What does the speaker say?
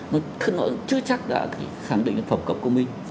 nó chưa chắc là khẳng định phẩm cập của mình